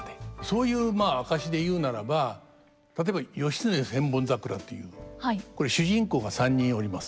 そういう証しで言うならば例えば「義経千本桜」というこれ主人公が３人おります。